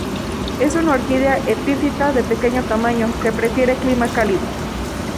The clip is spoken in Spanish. Es una orquídea epifita de pequeño tamaño, que prefiere clima cálido.